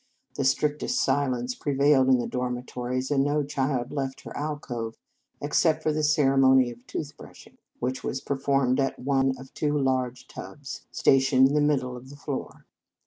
The strictest si lence prevailed in the dormitories, and no child left her alcove except for the ceremony of tooth brushing, which was performed at one of two large tubs, stationed in the middle of the floor.